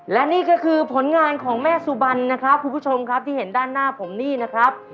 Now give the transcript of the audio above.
และนี่ก็คือผลงานของแม่สุบันนะครับคุณผู้ชมครับที่เห็นด้านหน้าผมนี่นะครับ